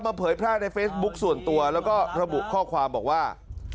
เผยแพร่ในเฟซบุ๊คส่วนตัวแล้วก็ระบุข้อความบอกว่า